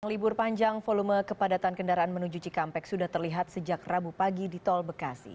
libur panjang volume kepadatan kendaraan menuju cikampek sudah terlihat sejak rabu pagi di tol bekasi